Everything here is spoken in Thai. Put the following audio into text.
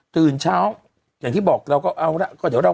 ตื่นเช้าอย่างที่บอกเราก็เอา